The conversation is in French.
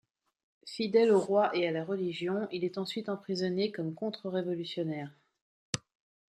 Fidèle au roi et à la religion, il est ensuite emprisonné comme contre-révolutionnaire.